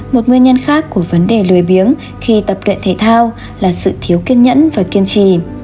một nguyên nhân khác của vấn đề lưới khi tập luyện thể thao là sự thiếu kiên nhẫn và kiên trì